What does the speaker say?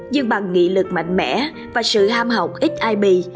nhưng bằng nghị lực mạnh mẽ và sự ham học ít ai bị